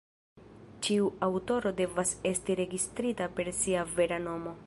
Ĉiu aŭtoro devas esti registrita per sia vera nomo.